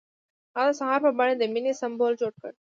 هغه د سهار په بڼه د مینې سمبول جوړ کړ.